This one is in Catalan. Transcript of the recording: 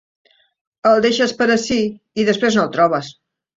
El deixes per ací i després no el trobes